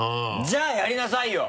じゃあやりなさいよ！